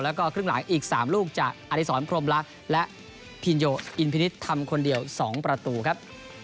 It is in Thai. แล้วก็เครื่องหลายอีก๓ลูกจากอรุศรพรมละและพิโยอินพินิศทำคนเดียว๒ประตูครับ